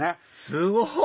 すごい！